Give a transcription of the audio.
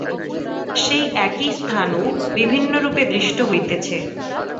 সেই একই স্থাণু বিভিন্নরূপে দৃষ্ট হইতেছে।